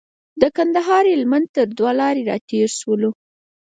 د کندهار هلمند تر دوه لارې راتېر شولو.